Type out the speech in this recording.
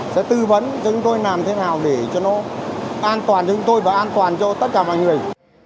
sẽ tư vấn cho chúng tôi làm thế nào để cho nó an toàn cho chúng tôi và an toàn cho tất cả mọi người